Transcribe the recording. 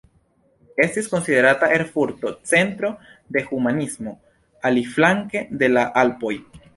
Estis konsiderata Erfurto centro de humanismo aliflanke de la Alpoj.